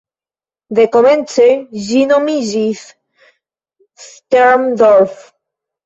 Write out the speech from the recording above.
De komence ĝi nomiĝis "Sterndorf".